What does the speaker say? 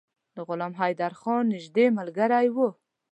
د غلام حیدرخان نیژدې ملګری وو.